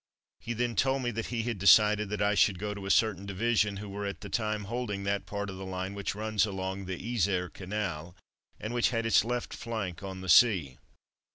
He then told me that he had decided that I should go to a certain division who were at the time holding that part of the line which runs alongside the Yser canal, and which had its left flank on the sea.